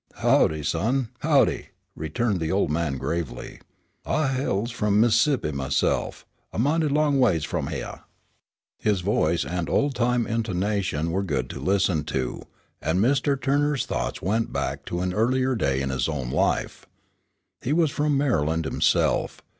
"Howdy, son, howdy," returned the old man gravely. "I hails f'om Miss'ippi myse'f, a mighty long ways f'om hyeah." His voice and old time intonation were good to listen to, and Mr. Turner's thoughts went back to an earlier day in his own life. He was from Maryland himself.